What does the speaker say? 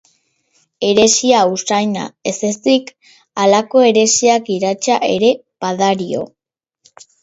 Heresia-usaina ez ezik, halako heresia-kiratsa ere badario.